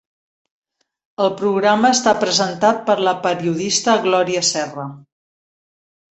El programa està presentat per la periodista Glòria Serra.